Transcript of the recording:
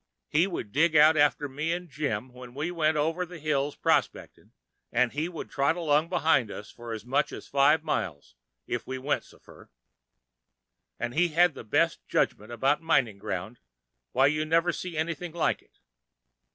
He would dig out after me an' Jim when we went over the hills prospect'n', and he would trot along behind us for as much as five mile, if we went so fur. An' he had the best judgment about mining ground—why you never see anything like it.